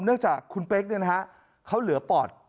เนื่องจากคุณเป๊กนี่นะครับเขาเหลือปอด